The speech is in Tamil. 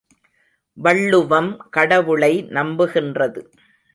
வள்ளுவம் கடவுளை நம்புகின்றது.